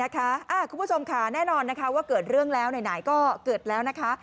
คุณผู้ชมค่ะแน่นอนนะคะว่าเกิดเรื่องแล้วไหนก็เกิดแล้วนะคะ